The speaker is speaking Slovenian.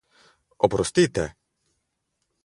Oprostite!